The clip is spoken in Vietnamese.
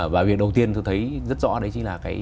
và việc đầu tiên tôi thấy rất rõ đấy chính là cái